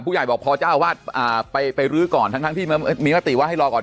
ผู้หญิงบอกพอเจ้าวาดอ่าไปไปรื้อก่อนทั้งทั้งที่มีประติว่าให้รอก่อน